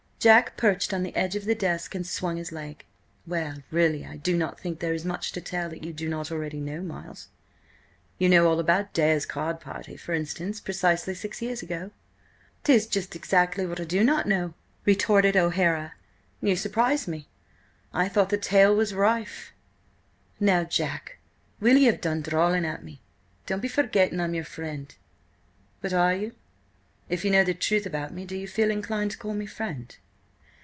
Jack perched on the edge of the desk and swung his leg. "Well really, I do not think there is much to tell that you do not already know, Miles. You know all about Dare's card party, for instance, precisely six years ago?" "'Tis just exactly what I do not know!" retorted O'Hara. "You surprise me! I thought the tale was rife." "Now, Jack, will ye have done drawling at me? Don't be forgetting I'm your friend—" "But are you? If you know the truth about me, do you feel inclined to call me friend?"